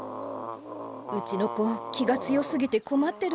うちの子気が強すぎて困ってるんです。